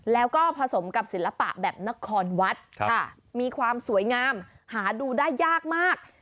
แล้วก็ผสมกับศิลปะแบบนครวัดมีความสวยงามหาดูได้ยากมาก